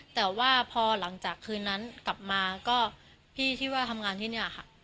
แต่ว่าพอหลังจากคืนนั้นกลับมาก็พี่ที่ว่าทำงานที่นี่ค่ะ